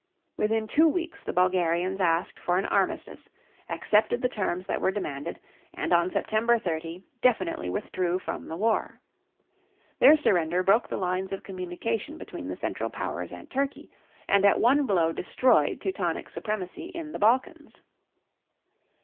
Within two weeks the Bulgarians asked for an armistice, accepted the terms that were demanded, and on September 30 definitely withdrew from the war. Their surrender broke the lines of communication between the Central Powers and Turkey and at one blow destroyed Teutonic supremacy in the Balkans.